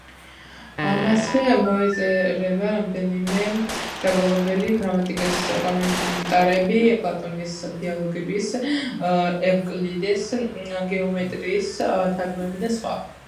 მასვე მიეწერება რამდენიმე საგალობელი, გრამატიკის კომენტარები, პლატონის დიალოგების, ევკლიდეს „გეომეტრიის“ თარგმანები და სხვა.